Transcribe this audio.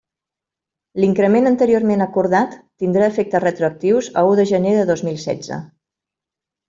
L'increment anteriorment acordat tindrà efectes retroactius a u de gener de dos mil setze.